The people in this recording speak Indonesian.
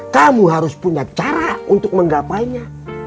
kamu harus punya cara untuk menggapainya